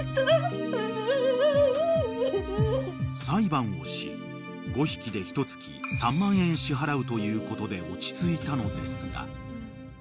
［裁判をし５匹でひとつき３万円支払うということで落ち着いたのですが］